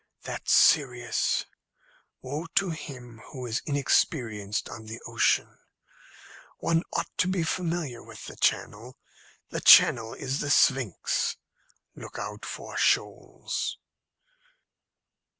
"That's serious. Woe to him who is inexperienced on the ocean! One ought to be familiar with the Channel the Channel is the Sphinx. Look out for shoals."